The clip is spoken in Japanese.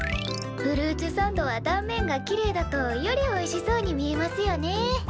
フルーツサンドは断面がきれいだとよりおいしそうに見えますよね。